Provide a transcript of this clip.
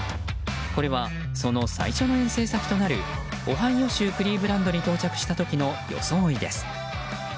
これはその最初の遠征先となるオハイオ州クリーブランドに到着した時の装いです。